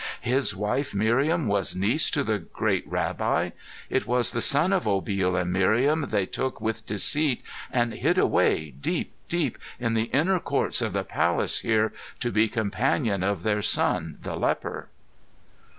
His wife Miriam was niece to the great rabbi. It was the son of Obil and Miriam they took with deceit and hid away deep, deep in the inner courts of the palace here, to be companion of their son, the leper.